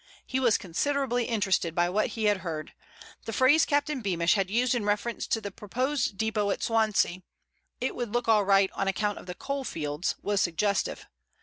He was considerably interested by what he had heard. The phrase Captain Beamish had used in reference to the proposed depôt at Swansea—"it would look all right on account of the coalfields"—was suggestive.